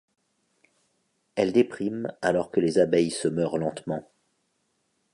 Elle déprime alors que les abeilles se meurent lentement.